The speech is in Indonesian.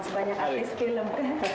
sebanyak artis film